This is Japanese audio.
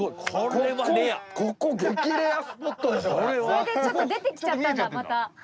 それでちょっと出てきちゃったんだまた。